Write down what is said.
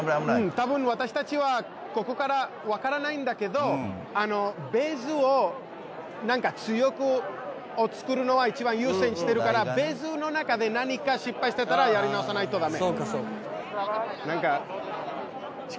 たぶん私たちはここからわからないんだけどベースを強く作るのが一番優先しているからベースの中で何か失敗してたらやり直さないとダメ。